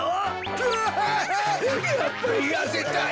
うわやっぱりやせたい。